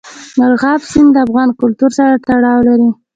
مورغاب سیند د افغان کلتور سره تړاو لري.